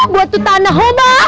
buat itu tanah oba